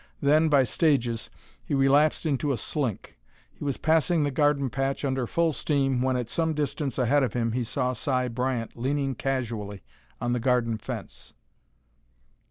Then, by stages, he relapsed into a slink. He was passing the garden patch under full steam, when, at some distance ahead of him, he saw Si Bryant leaning casually on the garden fence.